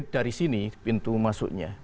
dari sini pintu masuknya